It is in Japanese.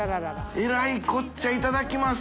えらいこっちゃいただきます。